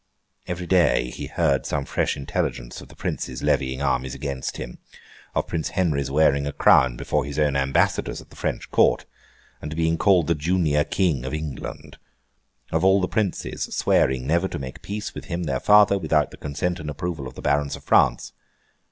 Every day he heard some fresh intelligence of the Princes levying armies against him; of Prince Henry's wearing a crown before his own ambassadors at the French Court, and being called the Junior King of England; of all the Princes swearing never to make peace with him, their father, without the consent and approval of the Barons of France.